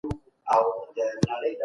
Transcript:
ايا انلاين زده کړه د زده کړې کیفیت لوړوي؟